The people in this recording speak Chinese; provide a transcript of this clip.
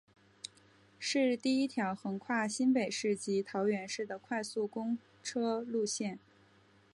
是第一条横跨新北市及桃园市的快速公车路线。